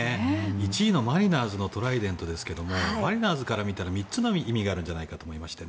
１位のマリナーズのトライデントですけれどもマリナーズから見たら３つの意味があるんじゃないかと思いまして。